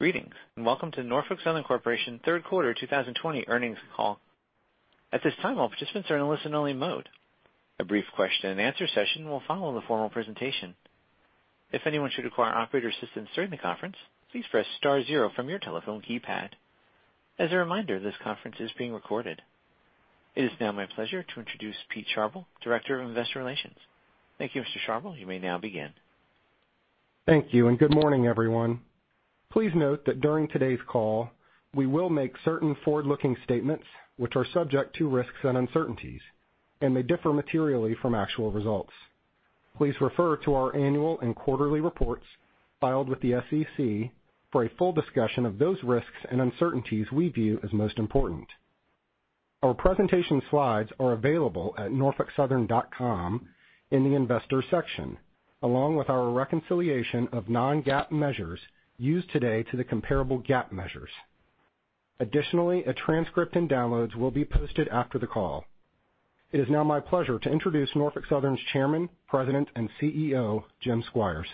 Greetings, and welcome to Norfolk Southern Corporation third quarter 2020 earnings call. It is now my pleasure to introduce Pete Sharbel, Director of Investor Relations. Thank you, Mr. Sharbel. You may now begin. Thank you, and good morning, everyone. Please note that during today's call, we will make certain forward-looking statements which are subject to risks and uncertainties and may differ materially from actual results. Please refer to our annual and quarterly reports filed with the SEC for a full discussion of those risks and uncertainties we view as most important. Our presentation slides are available at norfolksouthern.com in the investor section, along with our reconciliation of non-GAAP measures used today to the comparable GAAP measures. Additionally, a transcript and downloads will be posted after the call. It is now my pleasure to introduce Norfolk Southern's Chairman, President, and CEO, James Squires.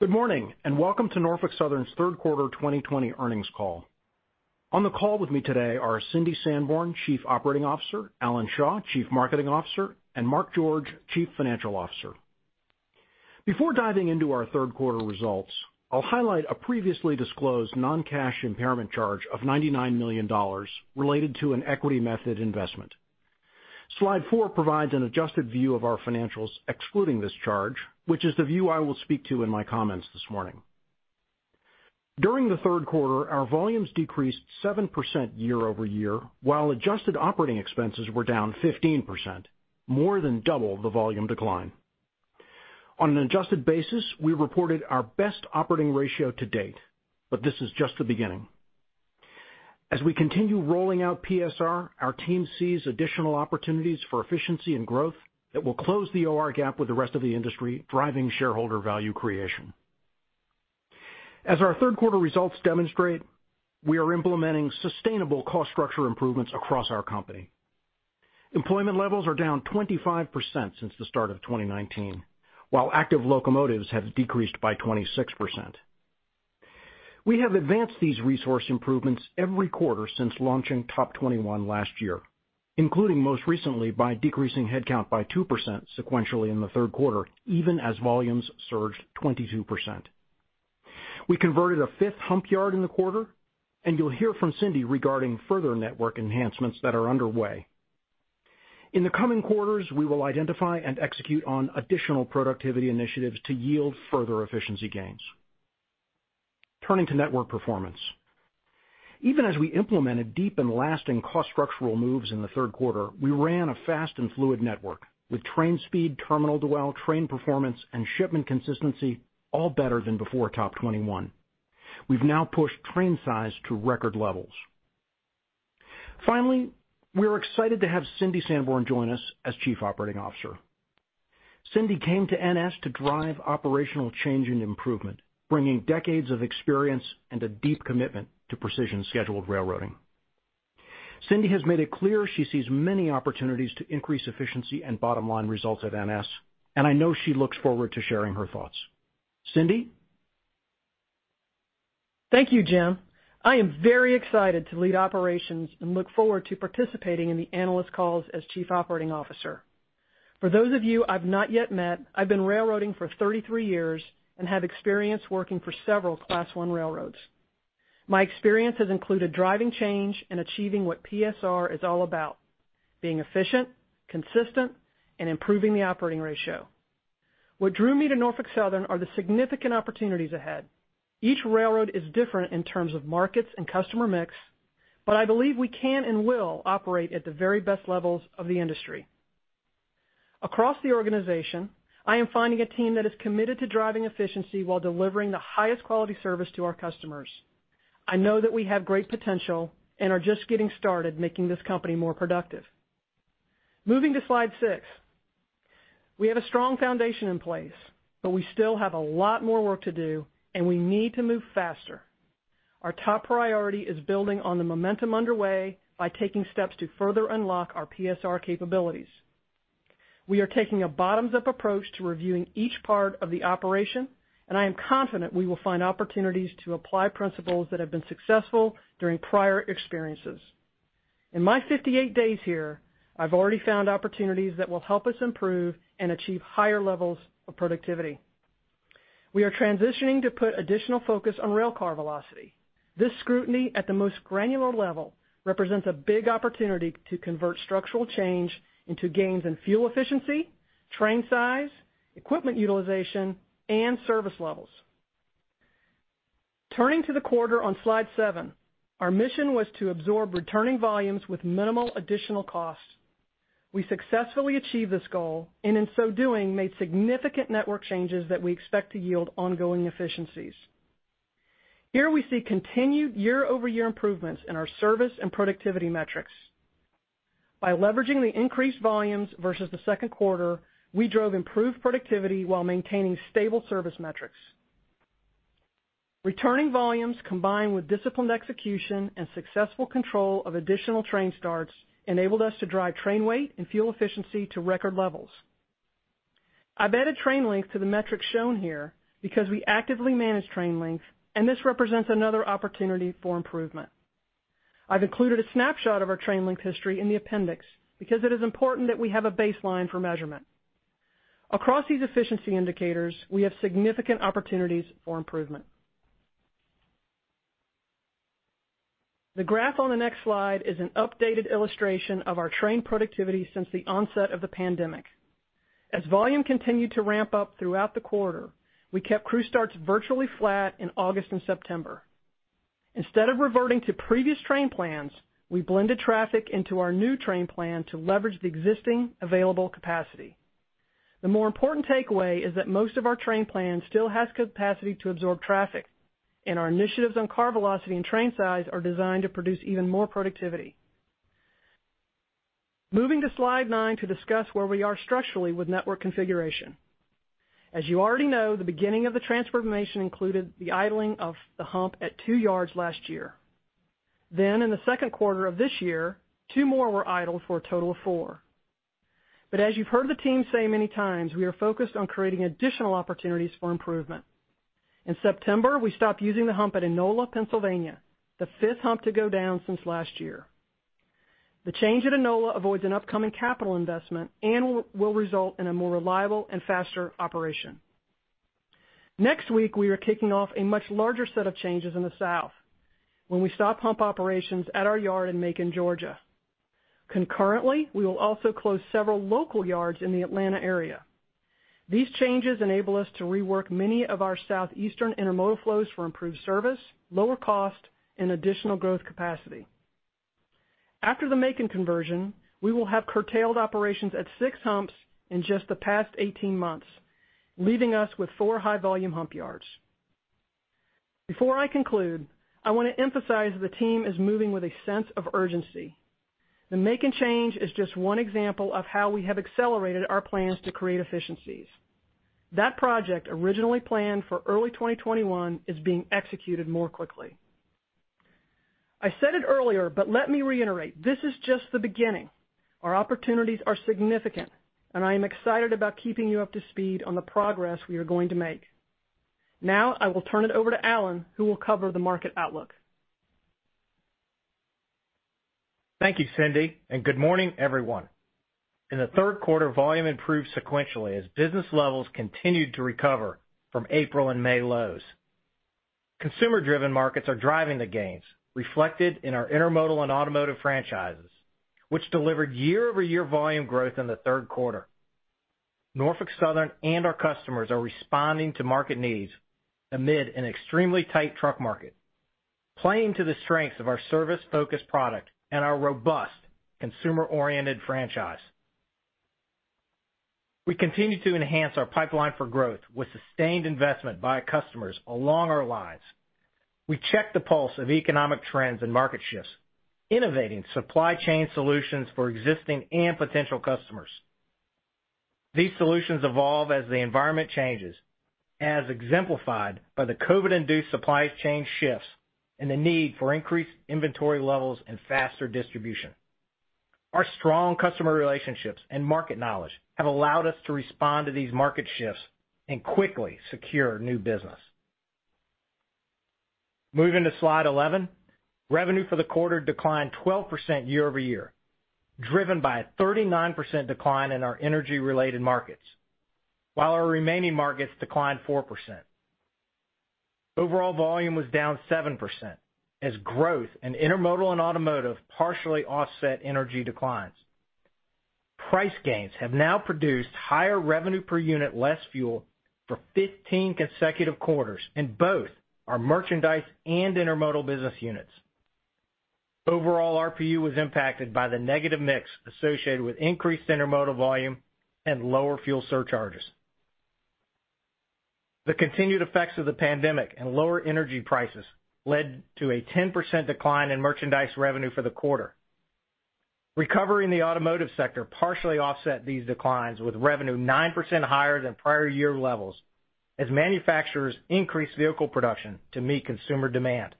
Good morning, welcome to Norfolk Southern's third quarter 2020 earnings call. On the call with me today are Cindy Sanborn, Chief Operating Officer, Alan Shaw, Chief Marketing Officer, and Mark George, Chief Financial Officer. Before diving into our third quarter results, I'll highlight a previously disclosed non-cash impairment charge of $99 million related to an equity method investment. Slide four provides an adjusted view of our financials excluding this charge, which is the view I will speak to in my comments this morning. During the third quarter, our volumes decreased 7% year-over-year, while adjusted operating expenses were down 15%, more than double the volume decline. On an adjusted basis, we reported our best operating ratio to date, this is just the beginning. As we continue rolling out PSR, our team sees additional opportunities for efficiency and growth that will close the OR gap with the rest of the industry, driving shareholder value creation. As our third quarter results demonstrate, we are implementing sustainable cost structure improvements across our company. Employment levels are down 25% since the start of 2019, while active locomotives have decreased by 26%. We have advanced these resource improvements every quarter since launching TOP21 last year, including most recently by decreasing headcount by 2% sequentially in the third quarter, even as volumes surged 22%. We converted a fifth hump yard in the quarter. You'll hear from Cindy regarding further network enhancements that are underway. In the coming quarters, we will identify and execute on additional productivity initiatives to yield further efficiency gains. Turning to network performance. Even as we implemented deep and lasting cost structural moves in the third quarter, we ran a fast and fluid network with train speed, terminal dwell, train performance, and shipment consistency all better than before TOP21. We've now pushed train size to record levels. Finally, we are excited to have Cindy Sanborn join us as Chief Operating Officer. Cindy came to NS to drive operational change and improvement, bringing decades of experience and a deep commitment to Precision Scheduled Railroading. Cindy has made it clear she sees many opportunities to increase efficiency and bottom-line results at NS, and I know she looks forward to sharing her thoughts. Cindy? Thank you, Jim. I am very excited to lead operations and look forward to participating in the analyst calls as Chief Operating Officer. For those of you I've not yet met, I've been railroading for 33 years and have experience working for several Class I railroads. My experience has included driving change and achieving what PSR is all about, being efficient, consistent, and improving the operating ratio. What drew me to Norfolk Southern are the significant opportunities ahead. I believe we can and will operate at the very best levels of the industry. Across the organization, I am finding a team that is committed to driving efficiency while delivering the highest quality service to our customers. I know that we have great potential and are just getting started making this company more productive. Moving to slide six. We have a strong foundation in place, but we still have a lot more work to do, and we need to move faster. Our top priority is building on the momentum underway by taking steps to further unlock our PSR capabilities. We are taking a bottoms-up approach to reviewing each part of the operation, and I am confident we will find opportunities to apply principles that have been successful during prior experiences. In my 58 days here, I've already found opportunities that will help us improve and achieve higher levels of productivity. We are transitioning to put additional focus on rail car velocity. This scrutiny at the most granular level represents a big opportunity to convert structural change into gains in fuel efficiency, train size, equipment utilization, and service levels. Turning to the quarter on Slide seven, our mission was to absorb returning volumes with minimal additional costs. We successfully achieved this goal, and in so doing, made significant network changes that we expect to yield ongoing efficiencies. Here we see continued year-over-year improvements in our service and productivity metrics. By leveraging the increased volumes versus the second quarter, we drove improved productivity while maintaining stable service metrics. Returning volumes, combined with disciplined execution and successful control of additional train starts, enabled us to drive train weight and fuel efficiency to record levels. I've added train length to the metrics shown here because we actively manage train length, and this represents another opportunity for improvement. I've included a snapshot of our train length history in the appendix because it is important that we have a baseline for measurement. Across these efficiency indicators, we have significant opportunities for improvement. The graph on the next slide is an updated illustration of our train productivity since the onset of the pandemic. As volume continued to ramp up throughout the quarter, we kept crew starts virtually flat in August and September. Instead of reverting to previous train plans, we blended traffic into our new train plan to leverage the existing available capacity. The more important takeaway is that most of our train plan still has capacity to absorb traffic, and our initiatives on car velocity and train size are designed to produce even more productivity. Moving to slide nine to discuss where we are structurally with network configuration. As you already know, the beginning of the transformation included the idling of the hump at two yards last year. In the second quarter of this year, two more were idled for a total of four. As you've heard the team say many times, we are focused on creating additional opportunities for improvement. In September, we stopped using the hump at Enola, Pennsylvania, the fifth hump to go down since last year. The change at Enola avoids an upcoming capital investment and will result in a more reliable and faster operation. Next week, we are kicking off a much larger set of changes in the south when we stop hump operations at our yard in Macon, Georgia. Concurrently, we will also close several local yards in the Atlanta area. These changes enable us to rework many of our southeastern intermodal flows for improved service, lower cost, and additional growth capacity. After the Macon conversion, we will have curtailed operations at six humps in just the past 18 months, leaving us with four high-volume hump yards. Before I conclude, I want to emphasize the team is moving with a sense of urgency. The Macon change is just one example of how we have accelerated our plans to create efficiencies. That project, originally planned for early 2021, is being executed more quickly. I said it earlier, but let me reiterate, this is just the beginning. Our opportunities are significant, and I am excited about keeping you up to speed on the progress we are going to make. Now, I will turn it over to Alan, who will cover the market outlook. Thank you, Cindy, and good morning, everyone. In the third quarter, volume improved sequentially as business levels continued to recover from April and May lows. Consumer-driven markets are driving the gains reflected in our intermodal and automotive franchises, which delivered year-over-year volume growth in the third quarter. Norfolk Southern and our customers are responding to market needs amid an extremely tight truck market, playing to the strengths of our service-focused product and our robust consumer-oriented franchise. We continue to enhance our pipeline for growth with sustained investment by our customers along our lines. We check the pulse of economic trends and market shifts, innovating supply chain solutions for existing and potential customers. These solutions evolve as the environment changes, as exemplified by the COVID-induced supply chain shifts and the need for increased inventory levels and faster distribution. Our strong customer relationships and market knowledge have allowed us to respond to these market shifts and quickly secure new business. Moving to slide 11. Revenue for the quarter declined 12% year-over-year, driven by a 39% decline in our energy-related markets, while our remaining markets declined 4%. Overall volume was down 7% as growth in intermodal and automotive partially offset energy declines. Price gains have now produced higher revenue per unit less fuel for 15 consecutive quarters in both our merchandise and intermodal business units. Overall, RPU was impacted by the negative mix associated with increased intermodal volume and lower fuel surcharges. The continued effects of the pandemic and lower energy prices led to a 10% decline in merchandise revenue for the quarter. Recovery in the automotive sector partially offset these declines with revenue 9% higher than prior year levels as manufacturers increased vehicle production to meet consumer demand.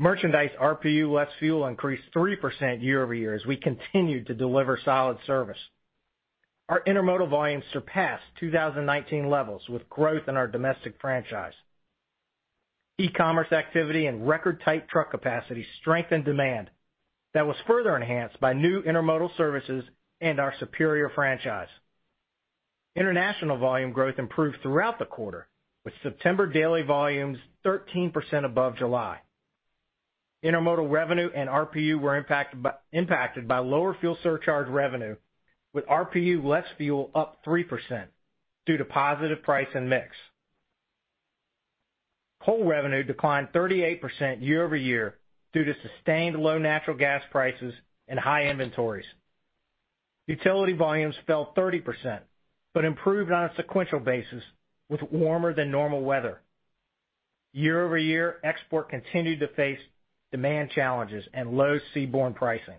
Merchandise RPU less fuel increased 3% year-over-year as we continued to deliver solid service. Our intermodal volumes surpassed 2019 levels with growth in our domestic franchise. E-commerce activity and record tight truck capacity strengthened demand that was further enhanced by new intermodal services and our superior franchise. International volume growth improved throughout the quarter, with September daily volumes 13% above July. Intermodal revenue and RPU were impacted by lower fuel surcharge revenue, with RPU less fuel up 3% due to positive price and mix. Coal revenue declined 38% year-over-year due to sustained low natural gas prices and high inventories. Utility volumes fell 30% but improved on a sequential basis with warmer than normal weather. Year-over-year, export continued to face demand challenges and low seaborne pricing.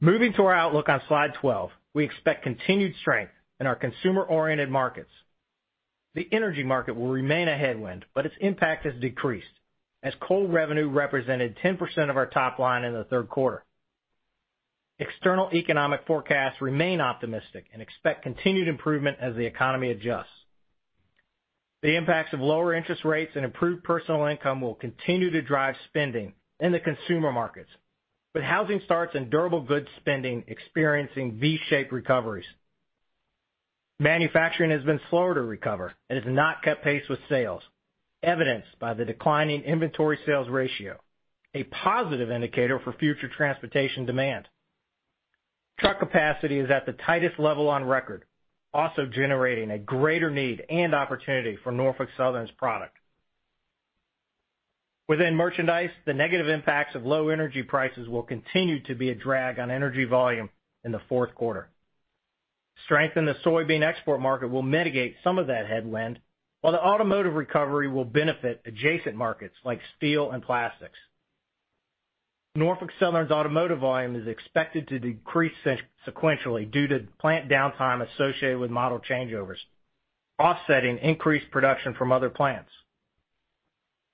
Moving to our outlook on slide 12, we expect continued strength in our consumer-oriented markets. The energy market will remain a headwind, its impact has decreased, as coal revenue represented 10% of our top line in the third quarter. External economic forecasts remain optimistic and expect continued improvement as the economy adjusts. The impacts of lower interest rates and improved personal income will continue to drive spending in the consumer markets, with housing starts and durable goods spending experiencing V-shaped recoveries. Manufacturing has been slower to recover and has not kept pace with sales, evidenced by the declining inventory sales ratio, a positive indicator for future transportation demand. Truck capacity is at the tightest level on record, also generating a greater need and opportunity for Norfolk Southern's product. Within merchandise, the negative impacts of low energy prices will continue to be a drag on energy volume in the fourth quarter. Strength in the soybean export market will mitigate some of that headwind, while the automotive recovery will benefit adjacent markets like steel and plastics. Norfolk Southern's automotive volume is expected to decrease sequentially due to plant downtime associated with model changeovers, offsetting increased production from other plants.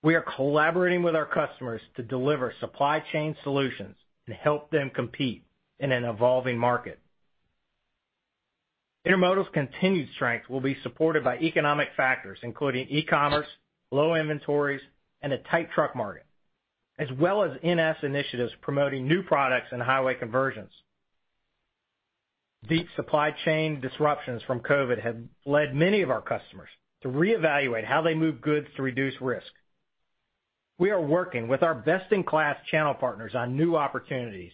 We are collaborating with our customers to deliver supply chain solutions and help them compete in an evolving market. Intermodal's continued strength will be supported by economic factors including e-commerce, low inventories, and a tight truck market, as well as NS initiatives promoting new products and highway conversions. Deep supply chain disruptions from COVID have led many of our customers to reevaluate how they move goods to reduce risk. We are working with our best-in-class channel partners on new opportunities,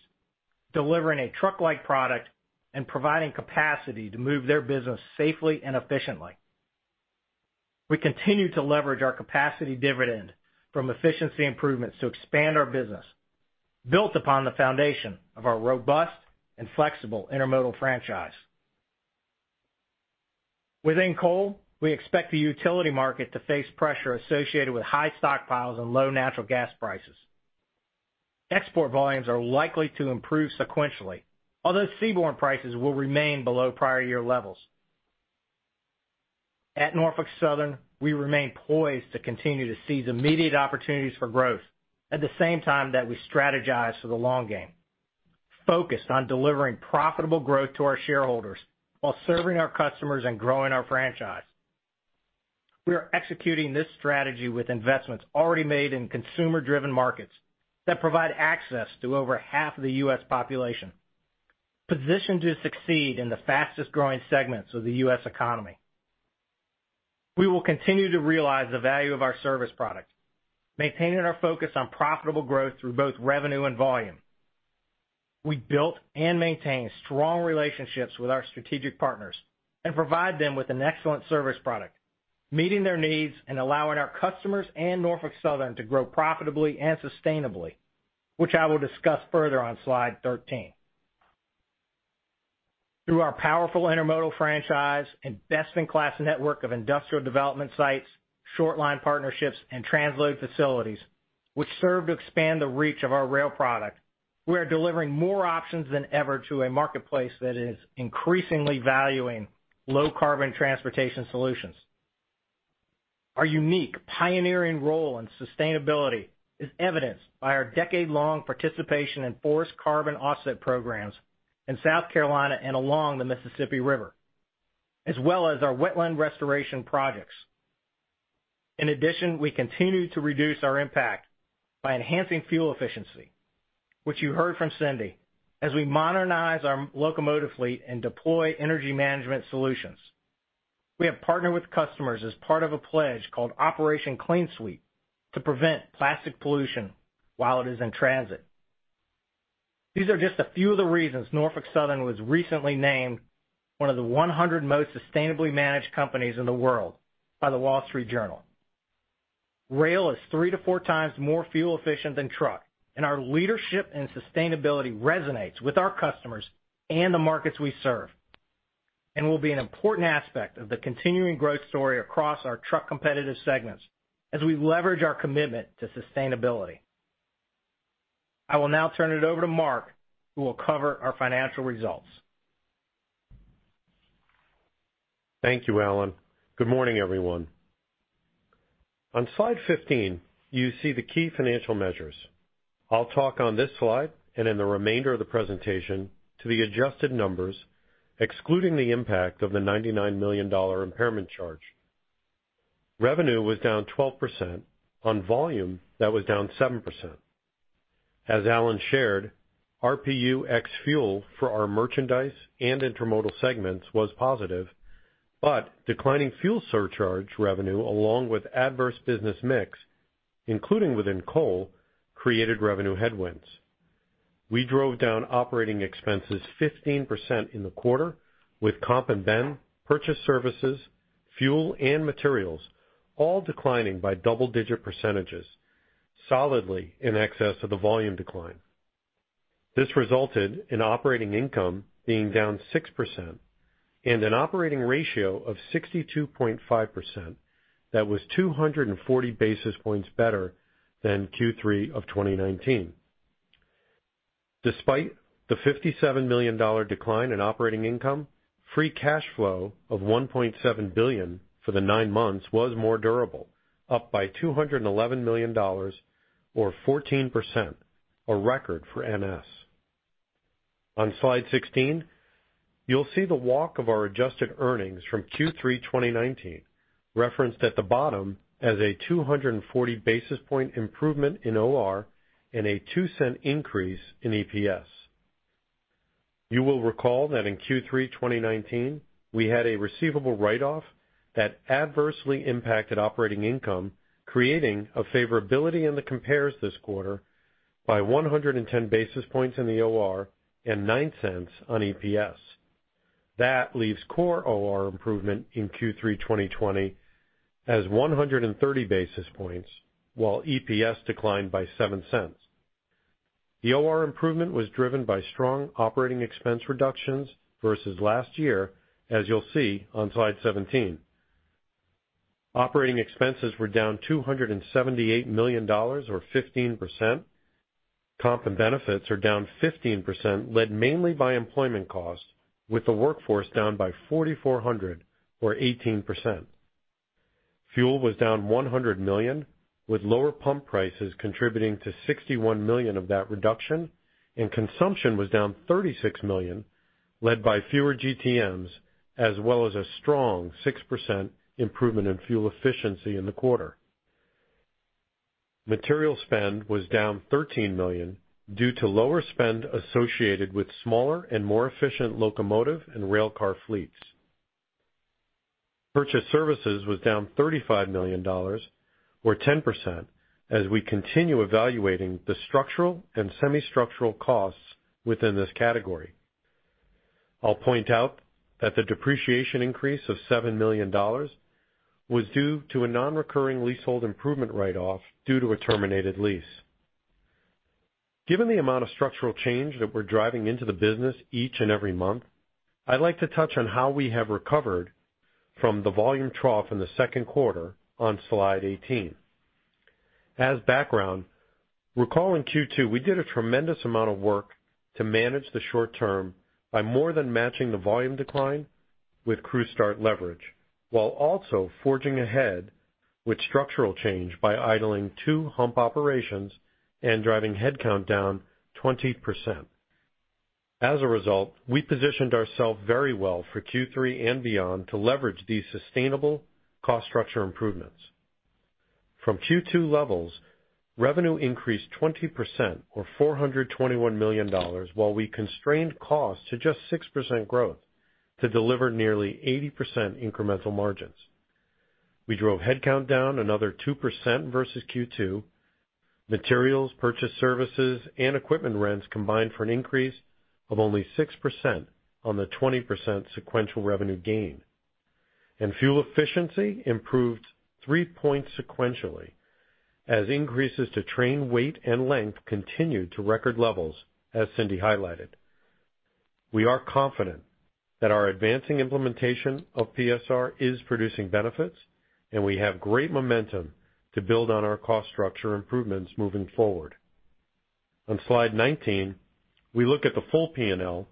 delivering a truck-like product and providing capacity to move their business safely and efficiently. We continue to leverage our capacity dividend from efficiency improvements to expand our business, built upon the foundation of our robust and flexible intermodal franchise. Within coal, we expect the utility market to face pressure associated with high stockpiles and low natural gas prices. Export volumes are likely to improve sequentially, although seaborne prices will remain below prior year levels. At Norfolk Southern, we remain poised to continue to seize immediate opportunities for growth at the same time that we strategize for the long game, focused on delivering profitable growth to our shareholders while serving our customers and growing our franchise. We are executing this strategy with investments already made in consumer-driven markets that provide access to over half of the U.S. population, positioned to succeed in the fastest-growing segments of the U.S. economy. We will continue to realize the value of our service product, maintaining our focus on profitable growth through both revenue and volume. We built and maintain strong relationships with our strategic partners and provide them with an excellent service product, meeting their needs and allowing our customers and Norfolk Southern to grow profitably and sustainably, which I will discuss further on slide 13. Through our powerful intermodal franchise and best-in-class network of industrial development sites, short line partnerships, and transload facilities, which serve to expand the reach of our rail product, we are delivering more options than ever to a marketplace that is increasingly valuing low-carbon transportation solutions. Our unique pioneering role in sustainability is evidenced by our decade-long participation in forest carbon offset programs in South Carolina and along the Mississippi River, as well as our wetland restoration projects. In addition, we continue to reduce our impact by enhancing fuel efficiency, which you heard from Cindy, as we modernize our locomotive fleet and deploy energy management solutions. We have partnered with customers as part of a pledge called Operation Clean Sweep to prevent plastic pollution while it is in transit. These are just a few of the reasons Norfolk Southern was recently named one of the 100 most sustainably managed companies in the world by The Wall Street Journal. Rail is 3x to 4x more fuel efficient than truck, and our leadership and sustainability resonates with our customers and the markets we serve and will be an important aspect of the continuing growth story across our truck-competitive segments as we leverage our commitment to sustainability. I will now turn it over to Mark, who will cover our financial results. Thank you, Alan. Good morning, everyone. On slide 15, you see the key financial measures. I'll talk on this slide and in the remainder of the presentation to the adjusted numbers, excluding the impact of the $99 million impairment charge. Revenue was down 12% on volume that was down 7%. As Alan shared, RPU ex fuel for our merchandise and intermodal segments was positive, but declining fuel surcharge revenue, along with adverse business mix, including within coal, created revenue headwinds. We drove down operating expenses 15% in the quarter with comp and ben, purchased services, fuel, and materials all declining by double-digit percentages, solidly in excess of the volume decline. This resulted in operating income being down 6% and an operating ratio of 62.5%. That was 240 basis points better than Q3 of 2019. Despite the $57 million decline in operating income, free cash flow of $1.7 billion for the nine months was more durable, up by $211 million, or 14%, a record for NS. On slide 16, you'll see the walk of our adjusted earnings from Q3 2019, referenced at the bottom as a 240 basis point improvement in OR and a $0.02 increase in EPS. You will recall that in Q3 2019, we had a receivable write-off that adversely impacted operating income, creating a favorability in the compares this quarter by 110 basis points in the OR and $0.09 on EPS. That leaves core OR improvement in Q3 2020 as 130 basis points, while EPS declined by $0.07. The OR improvement was driven by strong operating expense reductions versus last year, as you'll see on slide 17. Operating expenses were down $278 million, or 15%. Comp and benefits are down 15%, led mainly by employment costs, with the workforce down by 4,400, or 18%. Fuel was down $100 million, with lower pump prices contributing to $61 million of that reduction, and consumption was down $36 million, led by fewer GTMs, as well as a strong 6% improvement in fuel efficiency in the quarter. Material spend was down $13 million due to lower spend associated with smaller and more efficient locomotive and rail car fleets. Purchased services was down $35 million, or 10%, as we continue evaluating the structural and semi-structural costs within this category. I'll point out that the depreciation increase of $7 million was due to a non-recurring leasehold improvement write-off due to a terminated lease. Given the amount of structural change that we're driving into the business each and every month, I'd like to touch on how we have recovered from the volume trough in the second quarter on Slide 18. As background, recall in Q2, we did a tremendous amount of work to manage the short term by more than matching the volume decline with crew start leverage, while also forging ahead with structural change by idling two hump operations and driving headcount down 20%. As a result, we positioned ourselves very well for Q3 and beyond to leverage these sustainable cost structure improvements. From Q2 levels, revenue increased 20%, or $421 million, while we constrained costs to just 6% growth to deliver nearly 80% incremental margins. We drove headcount down another 2% versus Q2. Materials, purchase services, and equipment rents combined for an increase of only 6% on the 20% sequential revenue gain, and fuel efficiency improved three points sequentially as increases to train weight and length continued to record levels, as Cindy highlighted. We are confident that our advancing implementation of PSR is producing benefits, and we have great momentum to build on our cost structure improvements moving forward. On Slide 19, we look at the full P&L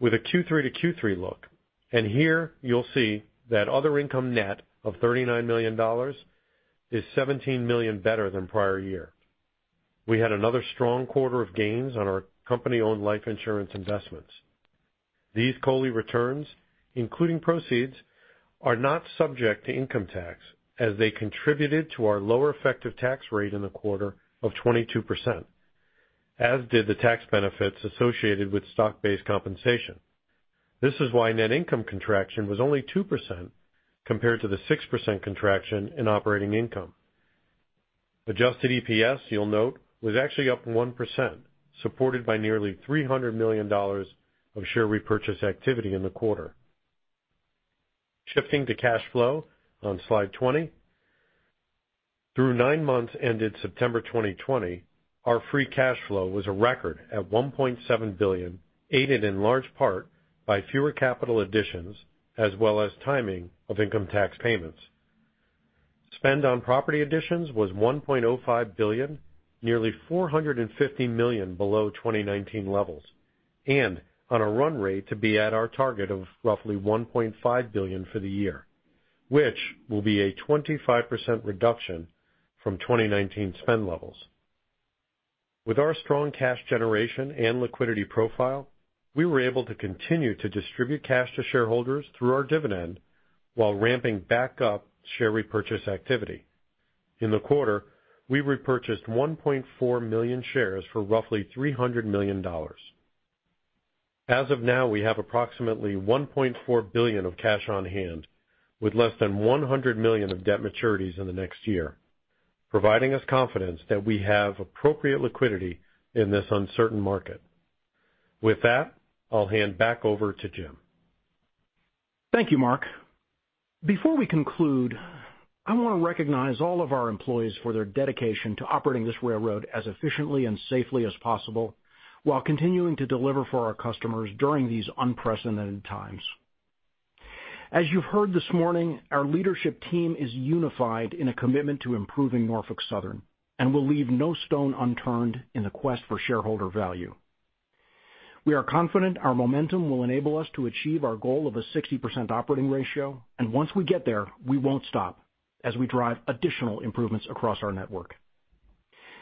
with a Q3 to Q3 look, and here you'll see that other income net of $39 million is $17 million better than prior year. We had another strong quarter of gains on our company-owned life insurance investments. These COLI returns, including proceeds, are not subject to income tax, as they contributed to our lower effective tax rate in the quarter of 22%, as did the tax benefits associated with stock-based compensation. This is why net income contraction was only 2% compared to the 6% contraction in operating income. Adjusted EPS, you'll note, was actually up 1%, supported by nearly $300 million of share repurchase activity in the quarter. Shifting to cash flow on Slide 20. Through nine months ended September 2020, our free cash flow was a record at $1.7 billion, aided in large part by fewer capital additions as well as timing of income tax payments. Spend on property additions was $1.05 billion, nearly $450 million below 2019 levels. On a run rate to be at our target of roughly $1.5 billion for the year, which will be a 25% reduction from 2019 spend levels. With our strong cash generation and liquidity profile, we were able to continue to distribute cash to shareholders through our dividend while ramping back up share repurchase activity. In the quarter, we repurchased 1.4 million shares for roughly $300 million. As of now, we have approximately $1.4 billion of cash on hand, with less than $100 million of debt maturities in the next year, providing us confidence that we have appropriate liquidity in this uncertain market. With that, I'll hand back over to Jim. Thank you, Mark. Before we conclude, I want to recognize all of our employees for their dedication to operating this railroad as efficiently and safely as possible while continuing to deliver for our customers during these unprecedented times. As you've heard this morning, our leadership team is unified in a commitment to improving Norfolk Southern and will leave no stone unturned in the quest for shareholder value. We are confident our momentum will enable us to achieve our goal of a 60% operating ratio, and once we get there, we won't stop as we drive additional improvements across our network.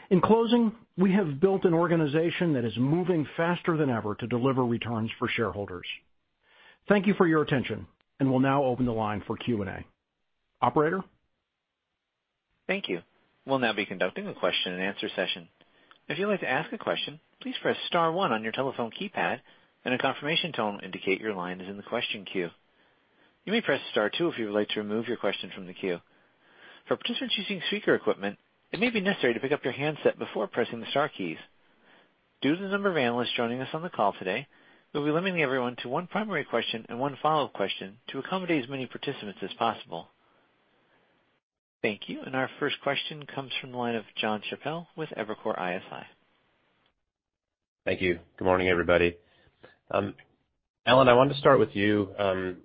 In closing, we have built an organization that is moving faster than ever to deliver returns for shareholders. Thank you for your attention, and we'll now open the line for Q&A. Operator? Thank you. We'll now be conducting a question-and-answer session. If you'd like to ask a question, please press star one on your telephone keypad and a confirmation tone will indicate your line is in the question queue. You may press star two if you would like to remove your question from the queue. For participants using speaker equipment, it may be necessary to pick up your handset before pressing the star keys. Due to the number of analysts joining us on the call today, we'll be limiting everyone to one primary question and one follow-up question to accommodate as many participants as possible. Thank you. Our first question comes from the line of Jon Chappell with Evercore ISI. Thank you. Good morning, everybody. Alan, I wanted to start with you.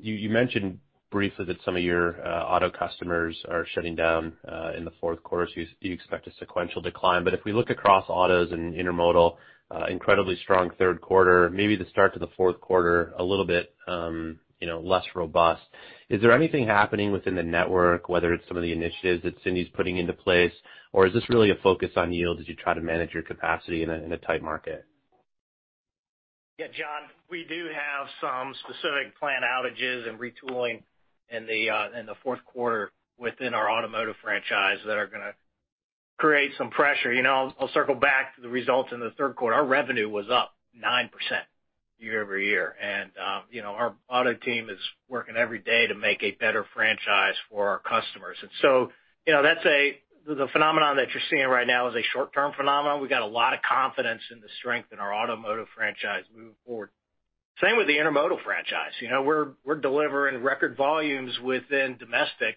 You mentioned briefly that some of your auto customers are shutting down in the fourth quarter, so you expect a sequential decline. If we look across autos and intermodal, incredibly strong third quarter, maybe the start to the fourth quarter, a little bit less robust. Is there anything happening within the network, whether it's some of the initiatives that Cindy's putting into place, or is this really a focus on yields as you try to manage your capacity in a tight market? Jon, we do have some specific plant outages and retooling in the fourth quarter within our automotive franchise that are going to create some pressure. I'll circle back to the results in the third quarter. Our revenue was up 9% year-over-year. Our auto team is working every day to make a better franchise for our customers. The phenomenon that you're seeing right now is a short-term phenomenon. We've got a lot of confidence in the strength in our automotive franchise moving forward. Same with the intermodal franchise. We're delivering record volumes within domestic,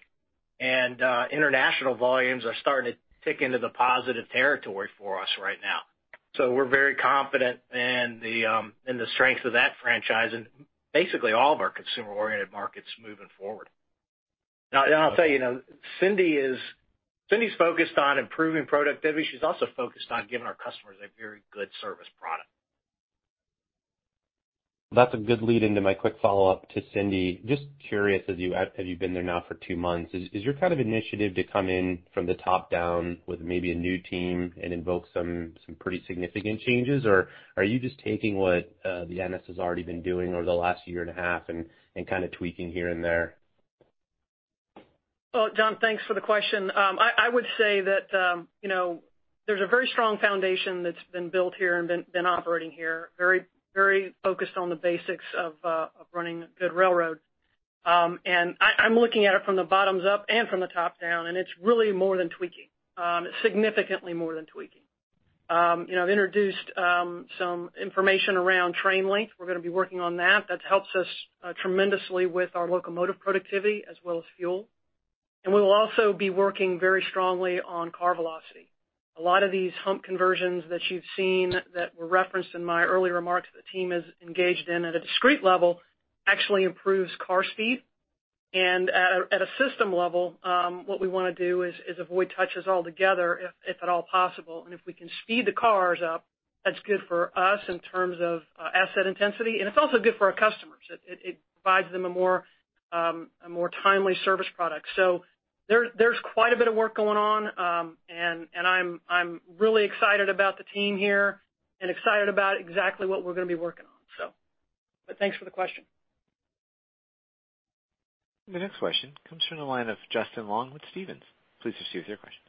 and international volumes are starting to tick into the positive territory for us right now. We're very confident in the strength of that franchise and basically all of our consumer-oriented markets moving forward. Now, I'll tell you, Cindy's focused on improving productivity. She's also focused on giving our customers a very good service product. That's a good lead into my quick follow-up to Cindy. Just curious, as you've been there now for two months, is your initiative to come in from the top down with maybe a new team and invoke some pretty significant changes, or are you just taking what the NS has already been doing over the last year and a half and kind of tweaking here and there? Well, Jon, thanks for the question. I would say that there's a very strong foundation that's been built here and been operating here, very focused on the basics of running a good railroad. I'm looking at it from the bottoms up and from the top down, and it's really more than tweaking. It's significantly more than tweaking. I've introduced some information around train length. We're going to be working on that. That helps us tremendously with our locomotive productivity as well as fuel. We will also be working very strongly on car velocity. A lot of these hump conversions that you've seen that were referenced in my earlier remarks, the team is engaged in at a discrete level actually improves car speed. At a system level, what we want to do is avoid touches altogether if at all possible. If we can speed the cars up, that's good for us in terms of asset intensity, and it's also good for our customers. It provides them a more timely service product. There's quite a bit of work going on, and I'm really excited about the team here and excited about exactly what we're going to be working on. Thanks for the question. The next question comes from the line of Justin Long with Stephens. Please proceed with your question.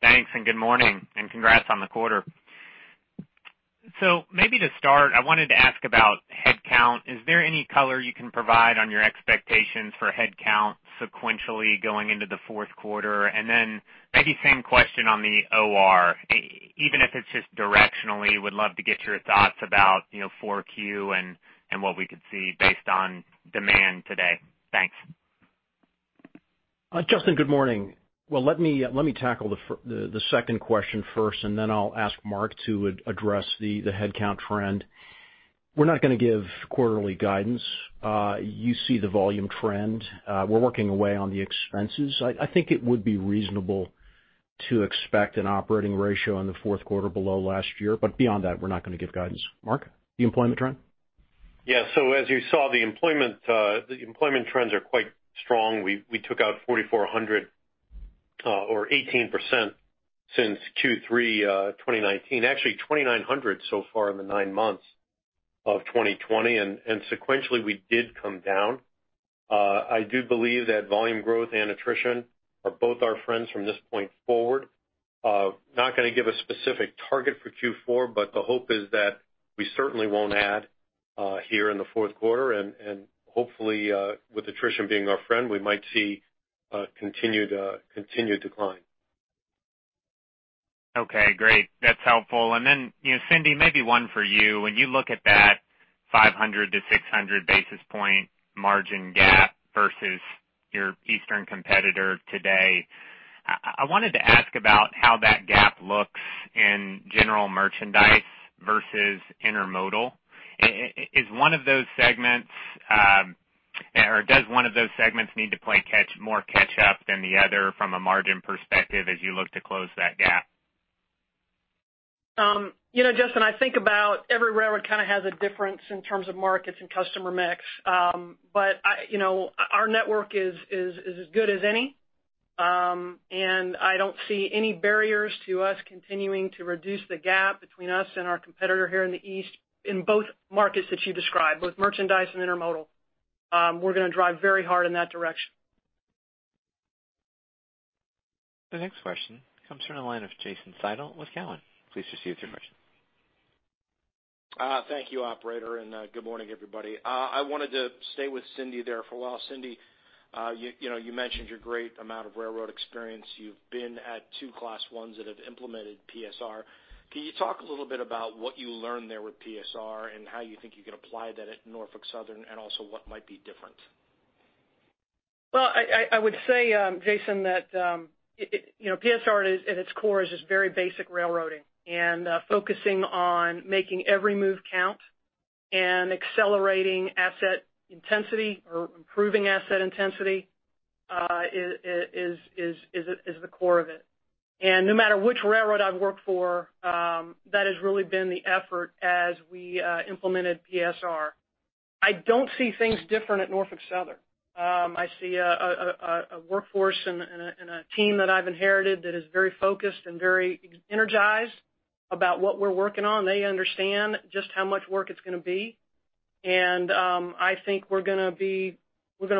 Thanks. Good morning. Congrats on the quarter. Maybe to start, I wanted to ask about headcount. Is there any color you can provide on your expectations for headcount sequentially going into the fourth quarter? Maybe same question on the OR, even if it's just directionally, would love to get your thoughts about 4Q and what we could see based on demand today. Justin, good morning. Let me tackle the second question first, and then I'll ask Mark to address the headcount trend. We're not going to give quarterly guidance. You see the volume trend. We're working away on the expenses. I think it would be reasonable to expect an operating ratio in the fourth quarter below last year. Beyond that, we're not going to give guidance. Mark, the employment trend? As you saw, the employment trends are quite strong. We took out 4,400 or 18% since Q3 2019. Actually, 2,900 so far in the nine months of 2020, and sequentially, we did come down. I do believe that volume growth and attrition are both our friends from this point forward. Not going to give a specific target for Q4, but the hope is that we certainly won't add here in the fourth quarter, and hopefully, with attrition being our friend, we might see a continued decline. Okay, great. That's helpful. Then, Cindy, maybe one for you. When you look at that 500-600 basis point margin gap versus your eastern competitor today, I wanted to ask about how that gap looks in general merchandise versus intermodal. Is one of those segments, or does one of those segments need to play more catch-up than the other from a margin perspective as you look to close that gap? Justin, I think about every railroad kind of has a difference in terms of markets and customer mix. Our network is as good as any. I don't see any barriers to us continuing to reduce the gap between us and our competitor here in the East in both markets that you described, both merchandise and intermodal. We're going to drive very hard in that direction. The next question comes from the line of Jason Seidl with Cowen. Please proceed with your question. Thank you, operator. Good morning, everybody. I wanted to stay with Cindy there for a while. Cindy, you mentioned your great amount of railroad experience. You've been at two Class 1s that have implemented PSR. Can you talk a little bit about what you learned there with PSR and how you think you can apply that at Norfolk Southern and also what might be different? Well, I would say, Jason, that PSR at its core is just very basic railroading and focusing on making every move count and accelerating asset intensity or improving asset intensity is the core of it. No matter which railroad I've worked for, that has really been the effort as we implemented PSR. I don't see things different at Norfolk Southern. I see a workforce and a team that I've inherited that is very focused and very energized about what we're working on. They understand just how much work it's going to be. I think we're going to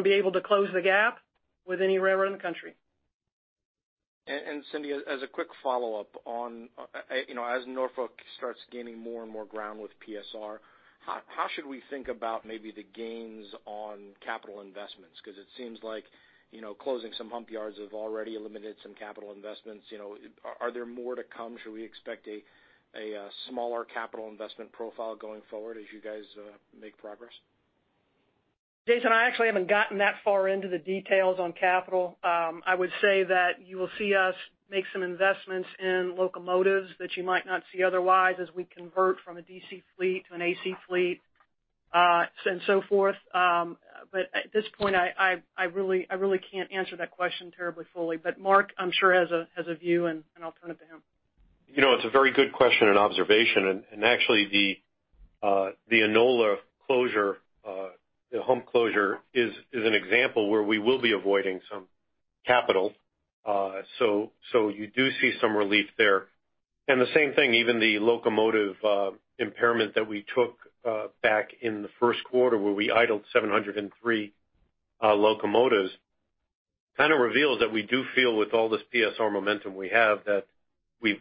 be able to close the gap with any railroad in the country. Cindy, as a quick follow-up on, as Norfolk starts gaining more and more ground with PSR, how should we think about maybe the gains on capital investments? Because it seems like closing some hump yards have already eliminated some capital investments. Are there more to come? Should we expect a smaller capital investment profile going forward as you guys make progress? Jason, I actually haven't gotten that far into the details on capital. I would say that you will see us make some investments in locomotives that you might not see otherwise as we convert from a DC fleet to an AC fleet and so forth. At this point, I really can't answer that question terribly fully. Mark, I'm sure, has a view, and I'll turn it to him. It's a very good question and observation. Actually, the Enola closure, the hump closure, is an example where we will be avoiding some capital. You do see some relief there. The same thing, even the locomotive impairment that we took back in the first quarter where we idled 703 locomotives, kind of reveals that we do feel with all this PSR momentum we have that we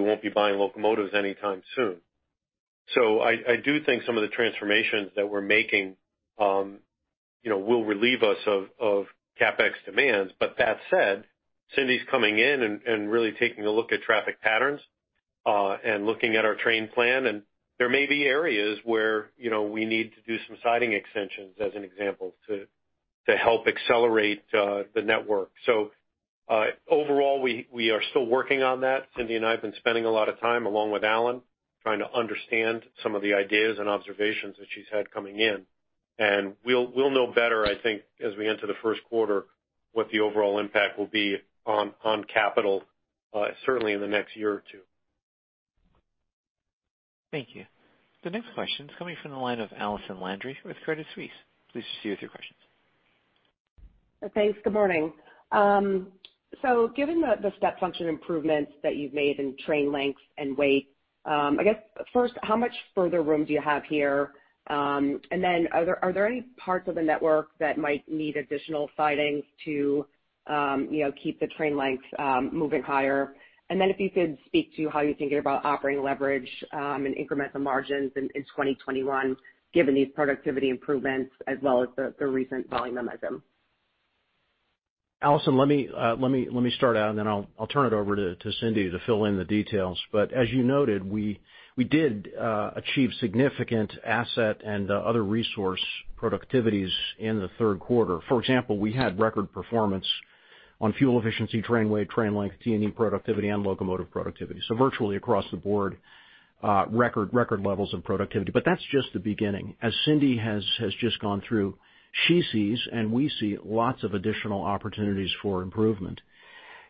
won't be buying locomotives anytime soon. I do think some of the transformations that we're making will relieve us of CapEx demands. That said, Cindy's coming in and really taking a look at traffic patterns, and looking at our train plan, and there may be areas where we need to do some siding extensions, as an example, to help accelerate the network. Overall, we are still working on that. Cindy and I have been spending a lot of time, along with Alan, trying to understand some of the ideas and observations that she's had coming in. We'll know better, I think, as we enter the first quarter, what the overall impact will be on capital, certainly in the next year or two. Thank you. The next question is coming from the line of Allison Landry with Credit Suisse. Please proceed with your questions. Thanks. Good morning. Given the step function improvements that you've made in train lengths and weight, I guess first, how much further room do you have here? Are there any parts of the network that might need additional sidings to keep the train lengths moving higher? If you could speak to how you're thinking about operating leverage and incremental margins in 2021 given these productivity improvements as well as the recent volume momentum. Allison, let me start out. Then I'll turn it over to Cindy to fill in the details. As you noted, we did achieve significant asset and other resource productivities in the third quarter. For example, we had record performance on fuel efficiency, train weight, train length, T&E productivity, and locomotive productivity. Virtually across the board, record levels of productivity. That's just the beginning. As Cindy has just gone through, she sees, we see lots of additional opportunities for improvement.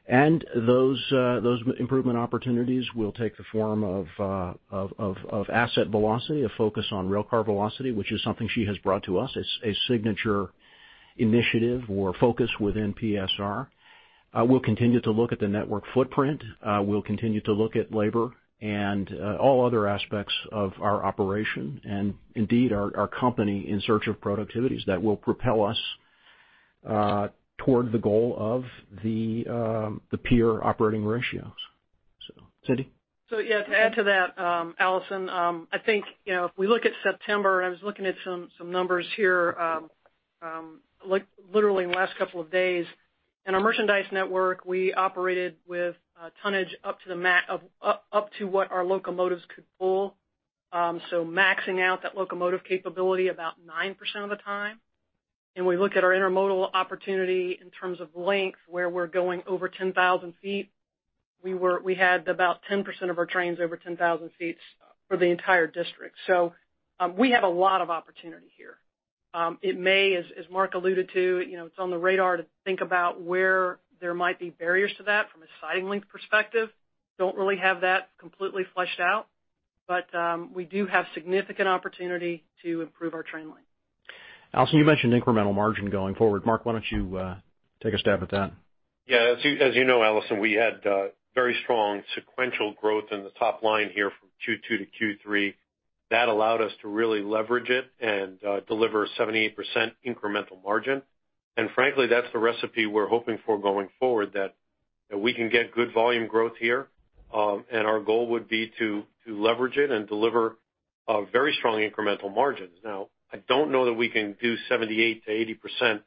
Those improvement opportunities will take the form of asset velocity, a focus on rail car velocity, which is something she has brought to us. It's a signature initiative or focus within PSR. We'll continue to look at the network footprint. We'll continue to look at labor and all other aspects of our operation and indeed our company in search of productivities that will propel us toward the goal of the peer operating ratios. Cindy? Yeah, to add to that, Allison, I think if we look at September, I was looking at some numbers here literally in the last couple of days. In our merchandise network, we operated with tonnage up to what our locomotives could pull. Maxing out that locomotive capability about 9% of the time. We look at our intermodal opportunity in terms of length, where we're going over 10,000 ft. We had about 10% of our trains over 10,000 ft for the entire district. We have a lot of opportunity here. It may, as Mark alluded to, it's on the radar to think about where there might be barriers to that from a siding length perspective. Don't really have that completely fleshed out. We do have significant opportunity to improve our train length. Allison, you mentioned incremental margin going forward. Mark, why don't you take a stab at that? Yeah. As you know, Allison, we had very strong sequential growth in the top line here from Q2 to Q3. That allowed us to really leverage it and deliver 78% incremental margin. Frankly, that's the recipe we're hoping for going forward, that we can get good volume growth here. Our goal would be to leverage it and deliver a very strong incremental margin. Now, I don't know that we can do 78%-80%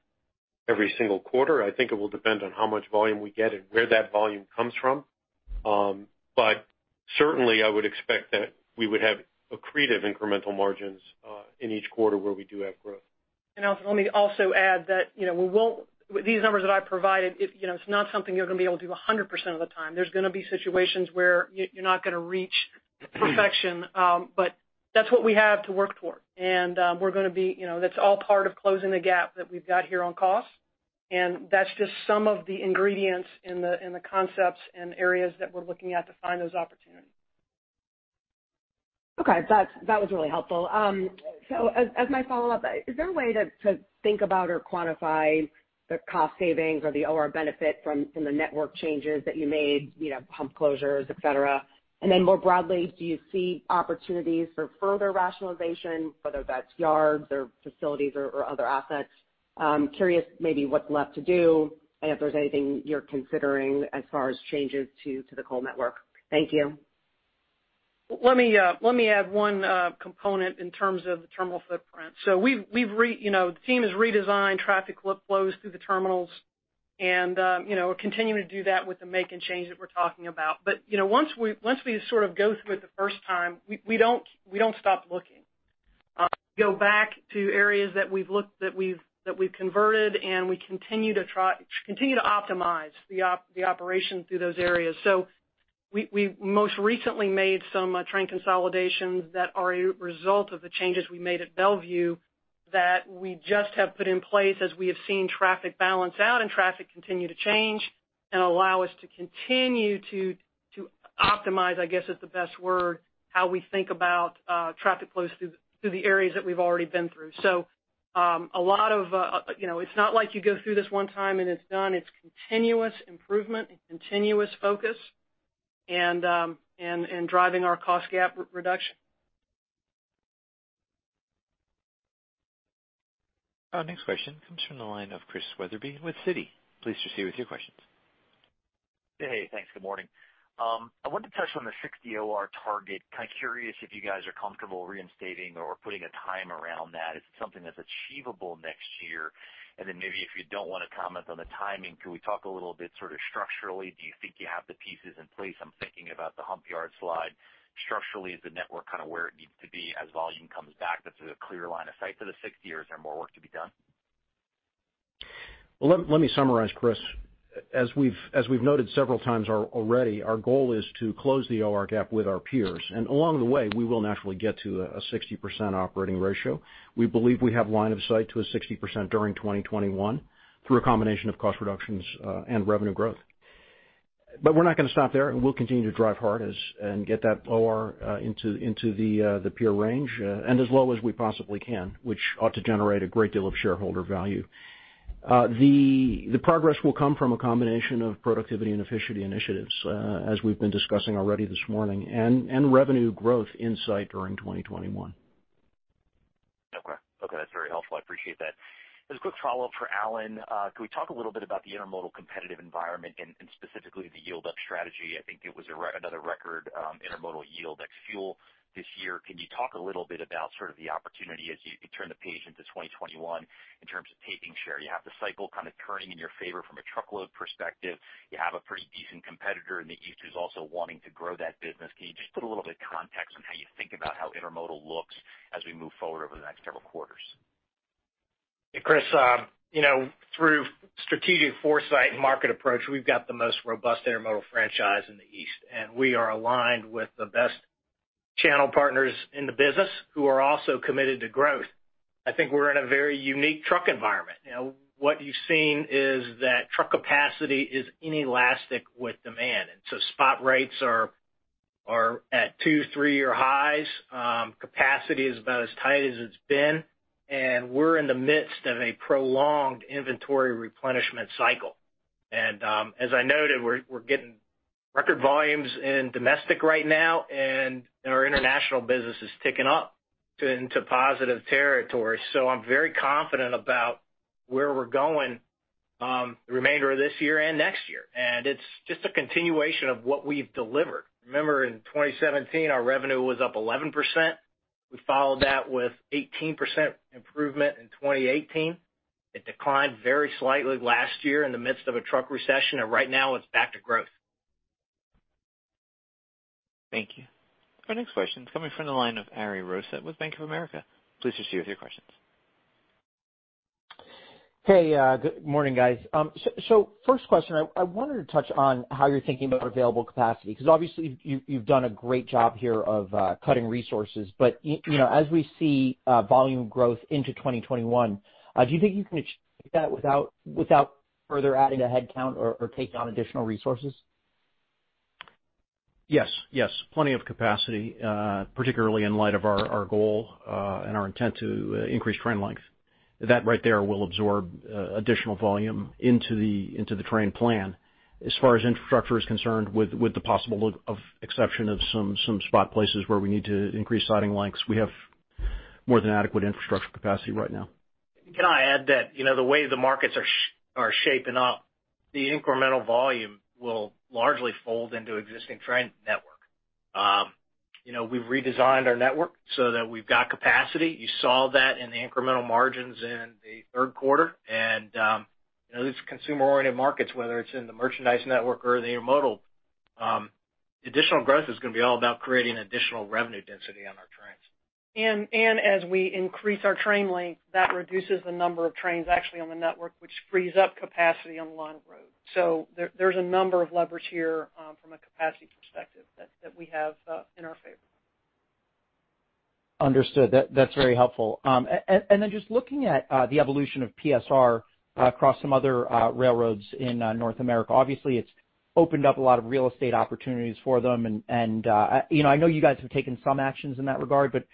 every single quarter. I think it will depend on how much volume we get and where that volume comes from. Certainly, I would expect that we would have accretive incremental margins in each quarter where we do have growth. Allison, let me also add that these numbers that I provided, it's not something you're going to be able to do 100% of the time. There's going to be situations where you're not going to reach perfection. That's what we have to work toward. That's all part of closing the gap that we've got here on cost, and that's just some of the ingredients and the concepts and areas that we're looking at to find those opportunities. Okay. That was really helpful. As my follow-up, is there a way to think about or quantify the cost savings or the OR benefit from the network changes that you made, hump closures, et cetera? More broadly, do you see opportunities for further rationalization, whether that's yards or facilities or other assets? Curious maybe what's left to do, and if there's anything you're considering as far as changes to the coal network. Thank you. Let me add one component in terms of the terminal footprint. The team has redesigned traffic flows through the terminals, and continuing to do that with the Macon change that we're talking about. Once we sort of go through it the first time, we don't stop looking. Go back to areas that we've looked, that we've converted, and we continue to optimize the operation through those areas. We most recently made some train consolidations that are a result of the changes we made at Bellevue that we just have put in place as we have seen traffic balance out and traffic continue to change and allow us to continue to optimize, I guess, is the best word, how we think about traffic flows through the areas that we've already been through. It's not like you go through this one time, and it's done. It's continuous improvement and continuous focus and driving our cost gap reduction. Our next question comes from the line of Chris Wetherbee with Citi. Please proceed with your questions. Hey, thanks. Good morning. I wanted to touch on the 60% OR target. Kind of curious if you guys are comfortable reinstating or putting a time around that. Is it something that's achievable next year? Maybe if you don't want to comment on the timing, can we talk a little bit sort of structurally, do you think you have the pieces in place? I'm thinking about the hump yard slide. Structurally, is the network kind of where it needs to be as volume comes back? That there's a clear line of sight to the 60, or is there more work to be done? Well, let me summarize, Chris. As we've noted several times already, our goal is to close the OR gap with our peers. Along the way, we will naturally get to a 60% operating ratio. We believe we have line of sight to a 60% during 2021 through a combination of cost reductions and revenue growth. We're not going to stop there. We'll continue to drive hard and get that OR into the peer range and as low as we possibly can, which ought to generate a great deal of shareholder value. The progress will come from a combination of productivity and efficiency initiatives as we've been discussing already this morning, and revenue growth in sight during 2021. Okay. That's very helpful. I appreciate that. As a quick follow-up for Alan, can we talk a little bit about the intermodal competitive environment and specifically the yield up strategy? I think it was another record intermodal yield ex-fuel this year. Can you talk a little bit about sort of the opportunity as you turn the page into 2021 in terms of taking share? You have the cycle kind of turning in your favor from a truckload perspective. You have a pretty decent competitor in the East who's also wanting to grow that business. Can you just put a little bit of context on how you think about how intermodal looks as we move forward over the next several quarters? Hey, Chris. Through strategic foresight and market approach, we've got the most robust intermodal franchise in the East, and we are aligned with the best channel partners in the business who are also committed to growth. I think we're in a very unique truck environment. What you've seen is that truck capacity is inelastic with demand, spot rates are at two, three-year highs. Capacity is about as tight as it's been, and we're in the midst of a prolonged inventory replenishment cycle. As I noted, we're getting record volumes in domestic right now, and our international business is ticking up into positive territory. I'm very confident about where we're going the remainder of this year and next year. It's just a continuation of what we've delivered. Remember, in 2017, our revenue was up 11%. We followed that with 18% improvement in 2018. It declined very slightly last year in the midst of a truck recession, and right now it's back to growth. Thank you. Our next question is coming from the line of Ari Rosa with Bank of America. Please proceed with your questions. Hey, good morning, guys. First question, I wanted to touch on how you're thinking about available capacity, because obviously you've done a great job here of cutting resources. As we see volume growth into 2021, do you think you can achieve that without further adding to headcount or take on additional resources? Yes. Plenty of capacity, particularly in light of our goal and our intent to increase train length. That right there will absorb additional volume into the train plan. As far as infrastructure is concerned, with the possible exception of some spot places where we need to increase siding lengths, we have more than adequate infrastructure capacity right now. Can I add that the way the markets are shaping up, the incremental volume will largely fold into existing train network. We've redesigned our network so that we've got capacity. You saw that in the incremental margins in the third quarter. These consumer-oriented markets, whether it's in the merchandise network or the intermodal, additional growth is going to be all about creating additional revenue density on our trains. As we increase our train length, that reduces the number of trains actually on the network, which frees up capacity on the line-of-road. There's a number of levers here from a capacity perspective that we have in our favor. Understood. That's very helpful. Just looking at the evolution of PSR across some other railroads in North America, obviously it's opened up a lot of real estate opportunities for them and I know you guys have taken some actions in that regard, but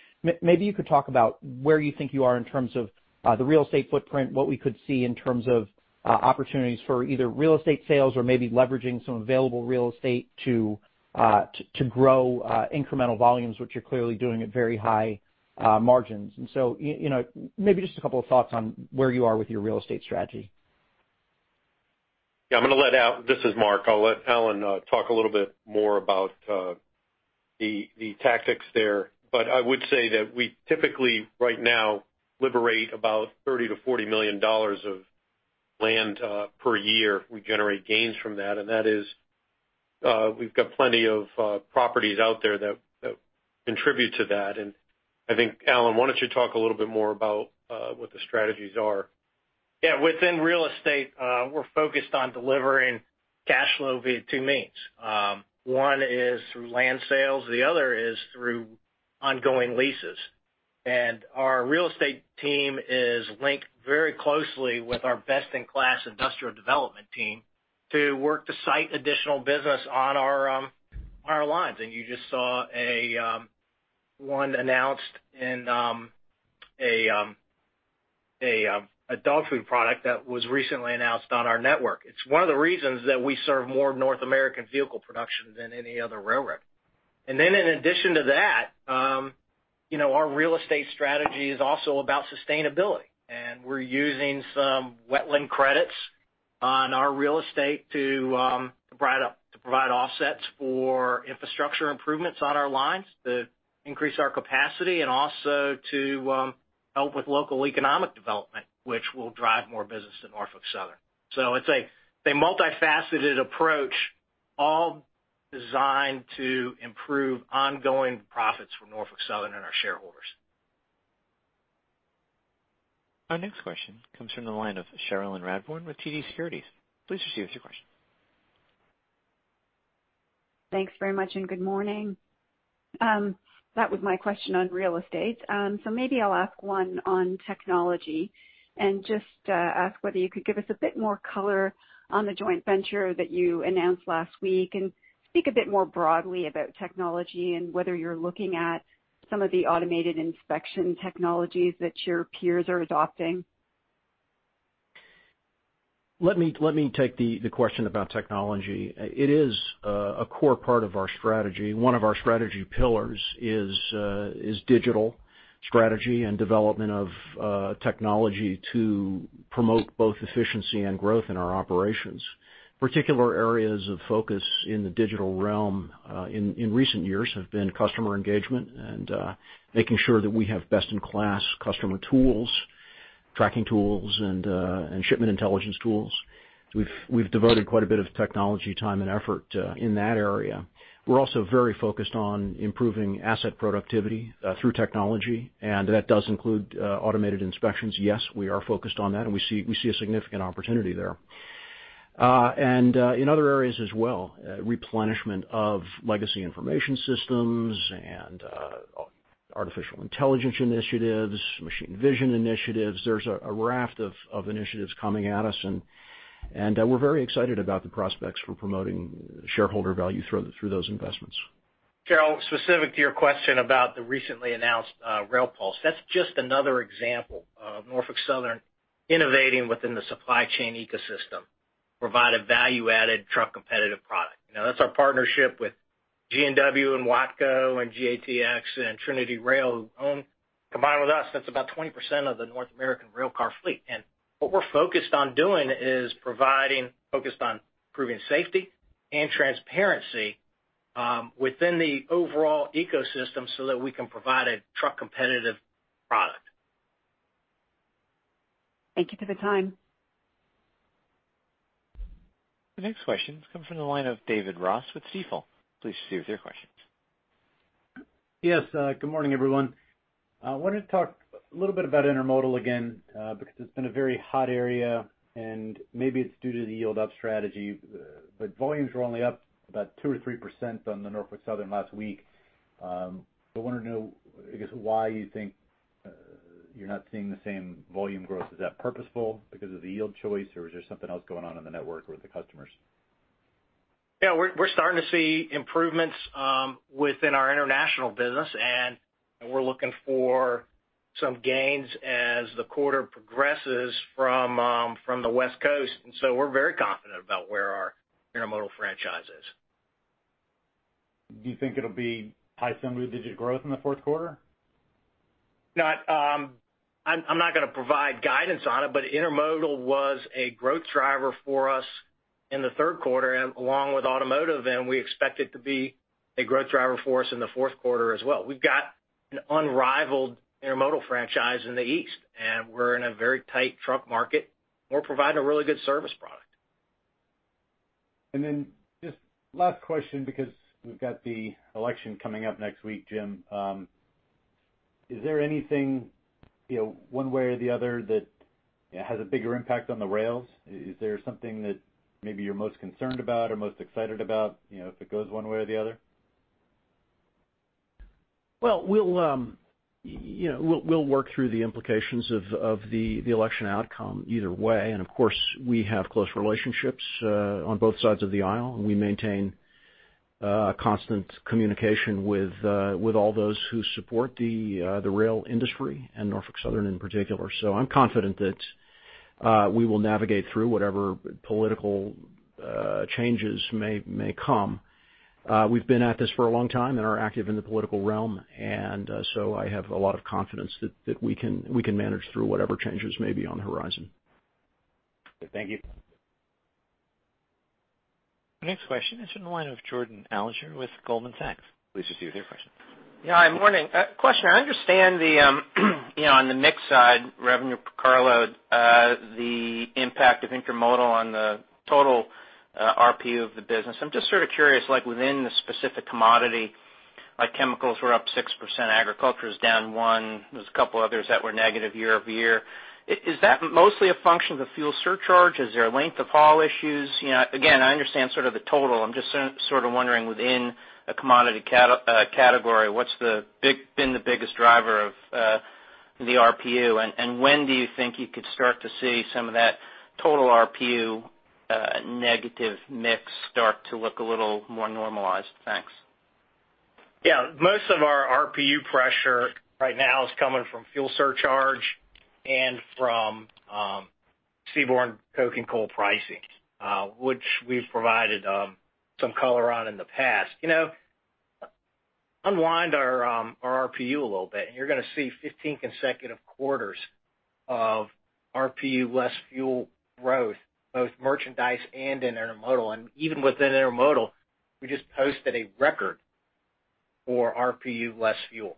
maybe you could talk about where you think you are in terms of the real estate footprint, what we could see in terms of opportunities for either real estate sales or maybe leveraging some available real estate to grow incremental volumes, which you're clearly doing at very high margins. Maybe just a couple of thoughts on where you are with your real estate strategy. Yeah, this is Mark. I'll let Alan talk a little bit more about the tactics there. I would say that we typically, right now, liberate about $30 million-$40 million of land per year. We generate gains from that, and we've got plenty of properties out there that contribute to that. I think, Alan, why don't you talk a little bit more about what the strategies are? Yeah. Within real estate, we're focused on delivering cash flow via two means. One is through land sales, the other is through ongoing leases. Our real estate team is linked very closely with our best-in-class industrial development team to work to site additional business on our lines. You just saw one announced in a dog food product that was recently announced on our network. It's one of the reasons that we serve more of North American vehicle production than any other railroad. In addition to that, our real estate strategy is also about sustainability, and we're using some wetland credits on our real estate to provide offsets for infrastructure improvements on our lines to increase our capacity and also to help with local economic development, which will drive more business to Norfolk Southern. It's a multifaceted approach, all designed to improve ongoing profits for Norfolk Southern and our shareholders. Our next question comes from the line of Cherilyn Radbourne with TD Securities. Please proceed with your question. Thanks very much. Good morning. That was my question on real estate. Maybe I'll ask one on technology and just ask whether you could give us a bit more color on the joint venture that you announced last week and speak a bit more broadly about technology and whether you're looking at some of the automated inspection technologies that your peers are adopting. Let me take the question about technology. It is a core part of our strategy. One of our strategy pillars is digital strategy and development of technology to promote both efficiency and growth in our operations. Particular areas of focus in the digital realm in recent years have been customer engagement and making sure that we have best-in-class customer tools, tracking tools, and shipment intelligence tools. We've devoted quite a bit of technology time and effort in that area. We're also very focused on improving asset productivity through technology, and that does include automated inspections. Yes, we are focused on that, and we see a significant opportunity there. In other areas as well, replenishment of legacy information systems and artificial intelligence initiatives, machine vision initiatives. There's a raft of initiatives coming at us, and we're very excited about the prospects for promoting shareholder value through those investments. Cherilyn, specific to your question about the recently announced RailPulse, that's just another example of Norfolk Southern innovating within the supply chain ecosystem. Provide a value-added truck competitive product. That's our partnership with G&W and Watco and GATX and TrinityRail, who own, combined with us, that's about 20% of the North American rail car fleet. What we're focused on doing is focused on improving safety and transparency within the overall ecosystem so that we can provide a truck competitive product. Thank you for the time. The next question comes from the line of David Ross with Stifel. Please proceed with your questions. Yes, good morning, everyone. I wanted to talk a little bit about intermodal again, because it's been a very hot area, and maybe it's due to the yield up strategy, but volumes were only up about 2% or 3% on the Norfolk Southern last week. I wanted to know, I guess, why you think you're not seeing the same volume growth. Is that purposeful because of the yield choice, or is there something else going on in the network or with the customers? We're starting to see improvements within our international business, and we're looking for some gains as the quarter progresses from the West Coast. So we're very confident about where our intermodal franchise is. Do you think it'll be high single-digit growth in the fourth quarter? No, I'm not going to provide guidance on it, but intermodal was a growth driver for us in the third quarter, along with automotive, and we expect it to be a growth driver for us in the fourth quarter as well. We've got an unrivaled intermodal franchise in the East, and we're in a very tight truck market. We're providing a really good service product. Just last question, because we've got the election coming up next week, Jim. Is there anything one way or the other that has a bigger impact on the rails? Is there something that maybe you're most concerned about or most excited about if it goes one way or the other? Well, we'll work through the implications of the election outcome either way. Of course, we have close relationships on both sides of the aisle, and we maintain constant communication with all those who support the rail industry and Norfolk Southern in particular. I'm confident that we will navigate through whatever political changes may come. We've been at this for a long time and are active in the political realm, and so I have a lot of confidence that we can manage through whatever changes may be on the horizon. Thank you. The next question is in the line of Jordan Alliger with Goldman Sachs. Please proceed with your question. Yeah. Morning. Question, I understand on the mix side, revenue per carload, the impact of intermodal on the total RPU of the business. I'm just sort of curious, like within the specific commodity, like chemicals were up 6%, agriculture is down 1%. There's a couple others that were negative year-over-year. Is that mostly a function of the fuel surcharge? Is there length of haul issues? Again, I understand sort of the total, I'm just sort of wondering within a commodity category, what's been the biggest driver of the RPU, and when do you think you could start to see some of that total RPU negative mix start to look a little more normalized? Thanks. Yeah. Most of our RPU pressure right now is coming from fuel surcharge and from seaborne coke and coal pricing, which we've provided some color on in the past. Unwind our RPU a little bit, you're going to see 15 consecutive quarters of RPU less fuel growth, both merchandise and in intermodal. Even within intermodal, we just posted a record for RPU less fuel.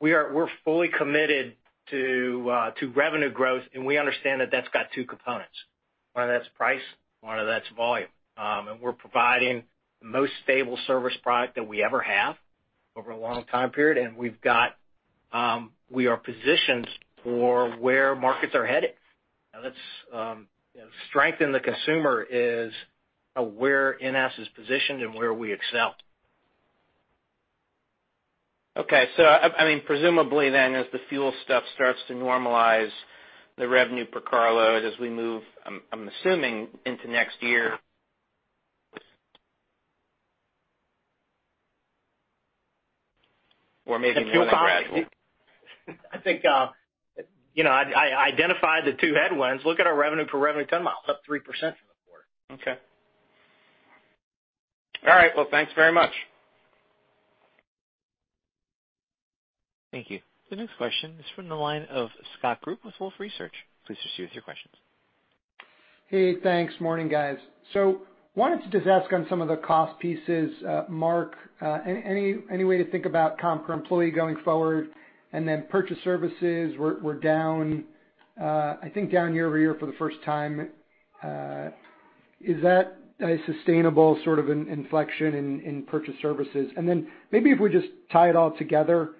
We're fully committed to revenue growth, and we understand that that's got two components. One of that's price, one of that's volume. We're providing the most stable service product that we ever have over a long time period, and we are positioned for where markets are headed. Now that's strength in the consumer is where NS is positioned and where we excel. Okay. I mean, presumably then as the fuel stuff starts to normalize the revenue per car load as we move, I'm assuming into next year, or maybe even gradually? I think I identified the two headwinds. Look at our revenue per revenue ton mile, it's up 3% for the quarter. Okay. All right, well, thanks very much. Thank you. The next question is from the line of Scott Group with Wolfe Research. Please proceed with your questions. Hey, thanks. Morning, guys. Wanted to just ask on some of the cost pieces, Mark, any way to think about comp per employee going forward? Purchase services were down, I think down year-over-year for the first time. Is that a sustainable sort of inflection in purchase services? Maybe if we just tie it all together,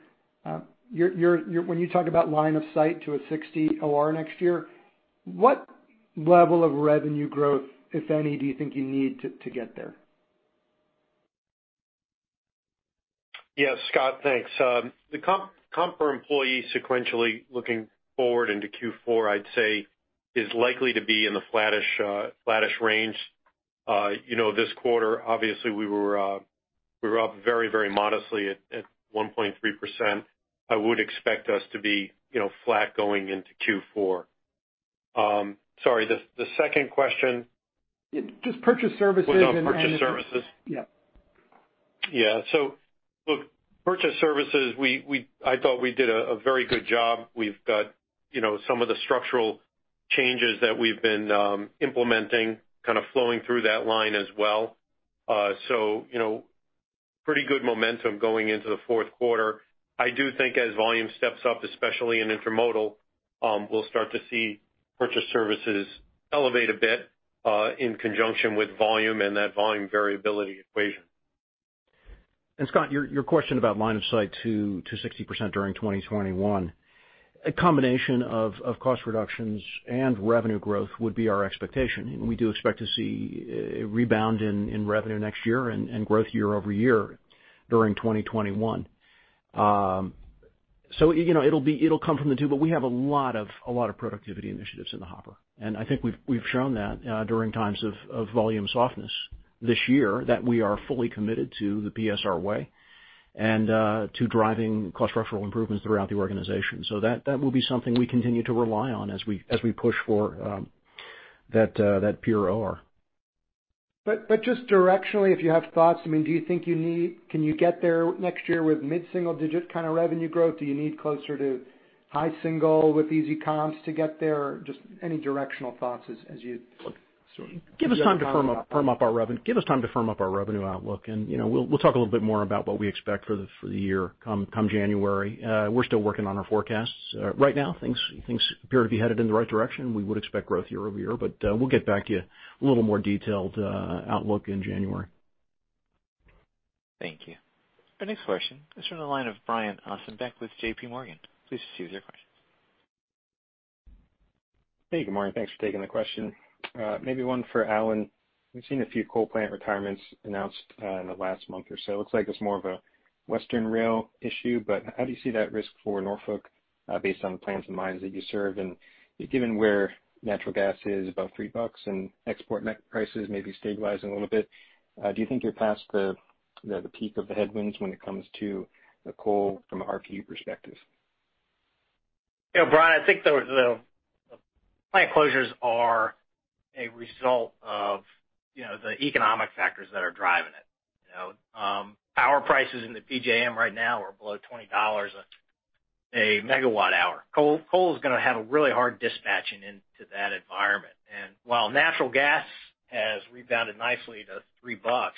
when you talk about line of sight to a 60% OR next year, what level of revenue growth, if any, do you think you need to get there? Yes, Scott, thanks. The comp per employee sequentially looking forward into Q4, I'd say is likely to be in the flattish range. This quarter, obviously, we were up very modestly at 1.3%. I would expect us to be flat going into Q4. Sorry, the second question? Just purchase services and- Was on purchase services? Yeah. Purchase services, I thought we did a very good job. We've got some of the structural changes that we've been implementing flowing through that line as well. Pretty good momentum going into the fourth quarter. I do think as volume steps up, especially in intermodal, we'll start to see purchase services elevate a bit in conjunction with volume and that volume variability equation. Scott, your question about line of sight to 60% during 2021. A combination of cost reductions and revenue growth would be our expectation. We do expect to see a rebound in revenue next year and growth year-over-year during 2021. It'll come from the two, but we have a lot of productivity initiatives in the hopper. I think we've shown that during times of volume softness this year that we are fully committed to the PSR way and to driving cost structural improvements throughout the organization. That will be something we continue to rely on as we push for that peer OR. Just directionally, if you have thoughts, can you get there next year with mid-single digit kind of revenue growth? Do you need closer to high single with easy comps to get there? Just any directional thoughts as you look. Give us time to firm up our revenue outlook, and we'll talk a little bit more about what we expect for the year come January. We're still working on our forecasts. Right now, things appear to be headed in the right direction. We would expect growth year-over-year, but we'll get back to you a little more detailed outlook in January. Thank you. Our next question is from the line of Brian Ossenbeck with JPMorgan, please proceed with your question. Hey, good morning. Thanks for taking the question. Maybe one for Alan. We've seen a few coal plant retirements announced in the last month or so. It looks like it's more of a Western rail issue, but how do you see that risk for Norfolk based on the plants and mines that you serve? Given where natural gas is, about $3, and export net prices maybe stabilizing a little bit, do you think you're past the peak of the headwinds when it comes to the coal from an RPU perspective? Brian, I think the plant closures are a result of the economic factors that are driving it. Power prices in the PJM right now are below $20 a megawatt hour. Coal is going to have a really hard dispatching into that environment. While natural gas has rebounded nicely to $3,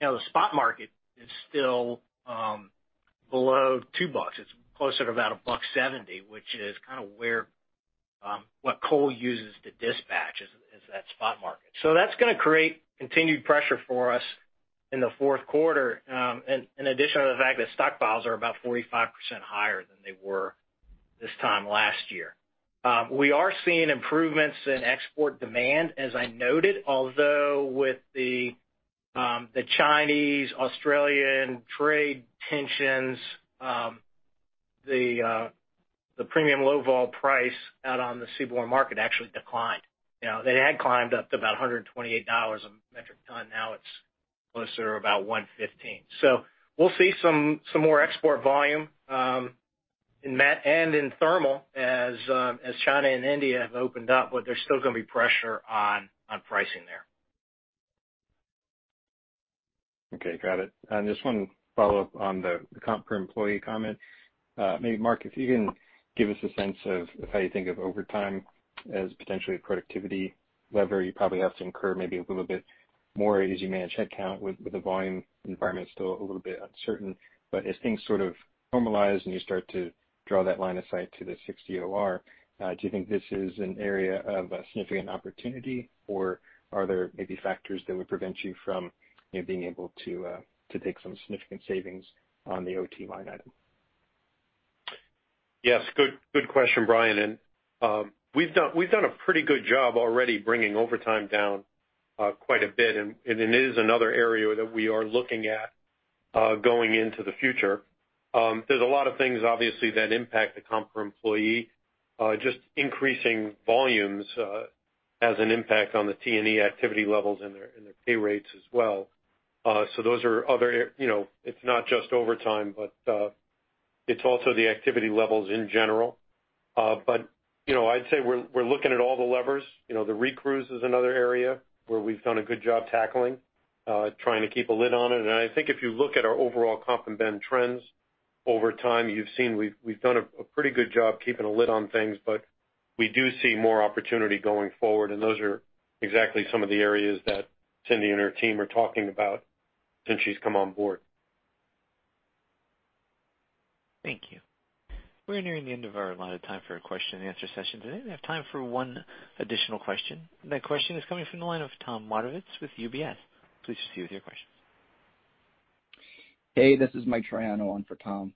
the spot market is still below $2. It's closer to about $1.70, which is kind of what coal uses to dispatch, is that spot market. That's going to create continued pressure for us in the fourth quarter, in addition to the fact that stockpiles are about 45% higher than they were this time last year. We are seeing improvements in export demand, as I noted, although with the Chinese-Australian trade tensions, the premium low vol price out on the seaborne market actually declined. They had climbed up to about $128 a metric ton, now it's closer to about $115. We'll see some more export volume and in thermal as China and India have opened up, but there's still going to be pressure on pricing there. Okay, got it. Just one follow-up on the comp per employee comment. Maybe Mark, if you can give us a sense of how you think of overtime as potentially a productivity lever. You probably have to incur maybe a little bit more as you manage headcount with the volume environment still a little bit uncertain. As things sort of normalize and you start to draw that line of sight to the 60% OR, do you think this is an area of significant opportunity, or are there maybe factors that would prevent you from being able to take some significant savings on the OT line item? Yes, good question, Brian. We've done a pretty good job already bringing overtime down quite a bit, and it is another area that we are looking at going into the future. There's a lot of things, obviously, that impact the comp per employee. Just increasing volumes has an impact on the T&E activity levels and their pay rates as well. It's not just overtime, but it's also the activity levels in general. I'd say we're looking at all the levers. The recrews is another area where we've done a good job tackling, trying to keep a lid on it. I think if you look at our overall comp and ben trends over time, you've seen we've done a pretty good job keeping a lid on things, but we do see more opportunity going forward. Those are exactly some of the areas that Cindy and her team are talking about since she's come on board. Thank you. We're nearing the end of our allotted time for our question-and-answer session today. We have time for one additional question. That question is coming from the line of Tom Wadewitz with UBS. Please proceed with your question. Hey, this is Mike Triano on for Tom.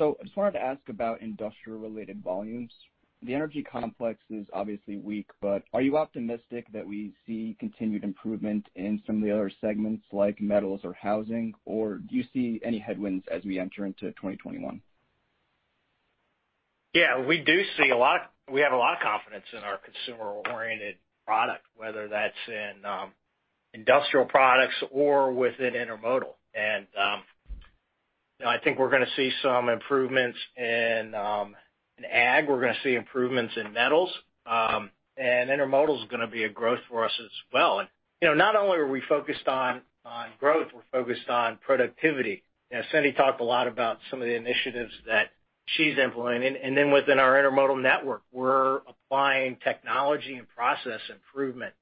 I just wanted to ask about industrial-related volumes. The energy complex is obviously weak, but are you optimistic that we see continued improvement in some of the other segments like metals or housing? Do you see any headwinds as we enter into 2021? Yeah, we have a lot of confidence in our consumer-oriented product, whether that's in industrial products or within intermodal. I think we're going to see some improvements in ag, we're going to see improvements in metals, and intermodal is going to be a growth for us as well. Not only are we focused on growth, we're focused on productivity. Cindy talked a lot about some of the initiatives that she's implementing. Within our intermodal network, we're applying technology and process improvement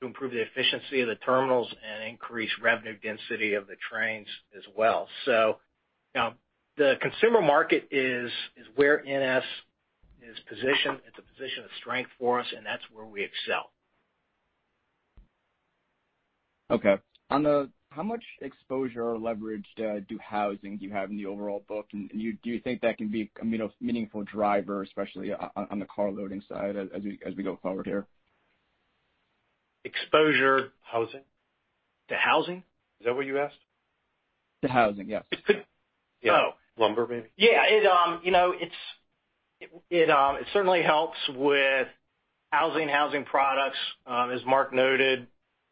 to improve the efficiency of the terminals and increase revenue density of the trains as well. The consumer market is where NS is positioned. It's a position of strength for us, and that's where we excel. Okay. How much exposure or leverage to do housing do you have in the overall book? Do you think that can be a meaningful driver, especially on the car loading side as we go forward here? Exposure- To housing? To housing? Is that what you asked? To housing, yes. Lumber, maybe. Yeah. It certainly helps with housing products, as Mark noted,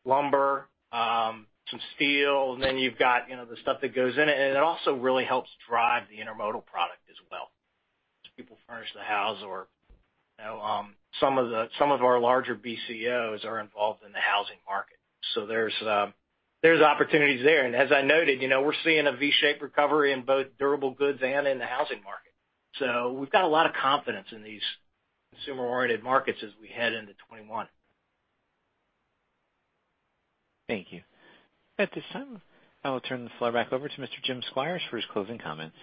lumber, some steel, and then you've got the stuff that goes in it. It also really helps drive the intermodal product as well as people furnish the house or some of our larger BCOs are involved in the housing market. There's opportunities there. As I noted, we're seeing a V-shaped recovery in both durable goods and in the housing market. We've got a lot of confidence in these consumer-oriented markets as we head into 2021. Thank you. At this time, I will turn the floor back over to Mr. Jim Squires for his closing comments.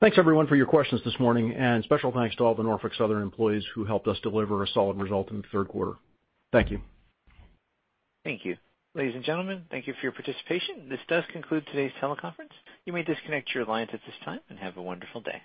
Thanks everyone for your questions this morning, and special thanks to all the Norfolk Southern employees who helped us deliver a solid result in the third quarter. Thank you. Thank you. Ladies and gentlemen, thank you for your participation. This does conclude today's teleconference. You may disconnect your lines at this time, and have a wonderful day.